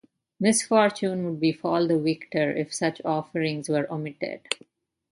Misfortune would befall the victor if such offerings were omitted.